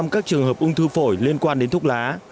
chín mươi các trường hợp ung thư phổi liên quan đến thuốc lá